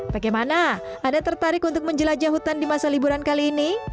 bagaimana anda tertarik untuk menjelajah hutan di masa liburan kali ini